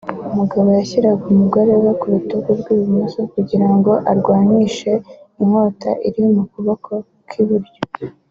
umugabo yashyiraga umugore we ku rutugu rw’ibumoso kugira ngo arwanishe inkota iri mu kaboko k’iburyo